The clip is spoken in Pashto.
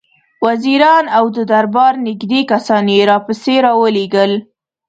وزیران او د دربار نېږدې کسان یې راپسې را ولېږل.